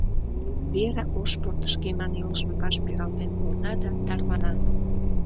Вера ош портышкеман йолжым ваш пералтен колта да тарвана.